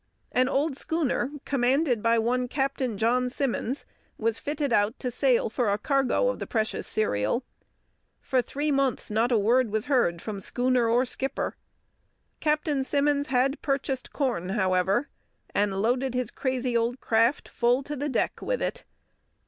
An old schooner, commanded by one Capt. John Simmons, was fitted out to sail for a cargo of the precious cereal. For three months not a word was heard from schooner or skipper. Captain Simmons had purchased corn, however, and loaded his crazy old craft full to the deck with it.